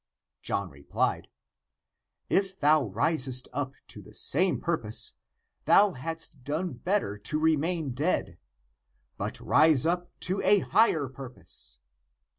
<John replied: " If > thou risest up to the same purpose, thou hadst done better to remain dead. But rise up to a higher purpose